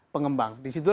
pemerintah dan pemerintah